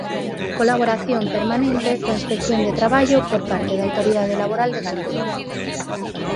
Colaboración permanente coa Inspección de Traballo por parte da autoridade laboral de Galicia.